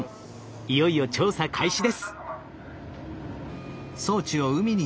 いよいよ調査開始です。